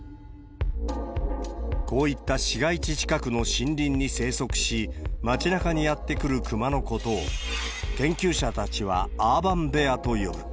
こういった市街地近くの森林に生息し、街なかにやって来るクマのことを、研究者たちはアーバンベアと呼ぶ。